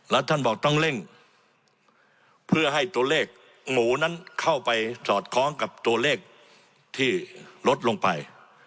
แล้วท่านบอกต้องเร่งเพื่อให้ตัวเลขหมูนั้นเข้าไปสอดคล้องกับตัวเลขที่ลดลงไป